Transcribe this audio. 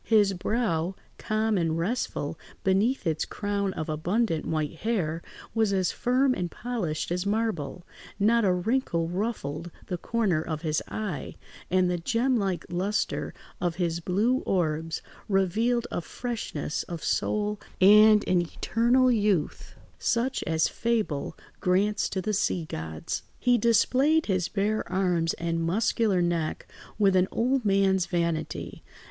His brow, calm and restful beneath its crown of abundant white hair, was as firm and polished as marble; not a wrinkle ruffled the corner of his eye, and the gem like lustre of his blue orbs revealed a freshness of soul and an eternal youth such as fable grants to the sea gods. He displayed his bare arms and muscular neck with an old man's vanity.